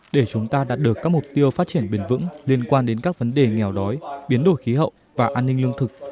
để chúng ta đạt được các mục tiêu phát triển bền vững liên quan đến các vấn đề nghèo đói biến đổi khí hậu và an ninh lương thực